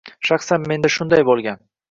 Shaxsan menda shunday boʻlgan.